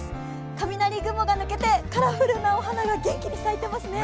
雷雲が抜けてカラフルなお花が元気に咲いてますね。